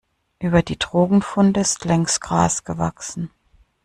Über die Drogenfunde ist längst Gras gewachsen.